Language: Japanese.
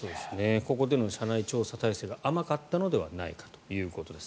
ここでの社内調査体制が甘かったのではないかということです。